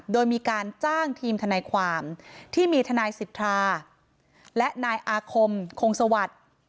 โดยมีการจ้างทีมทนายความที่มีทนายสิทธาและนายอาคมคงสวัสดิ์